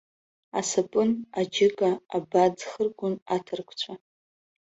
Асапын, аџьыка, аба ӡхыргон аҭырқәцәа.